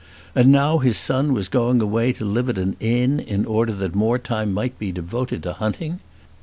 And now his son was going away to live at an inn in order that more time might be devoted to hunting!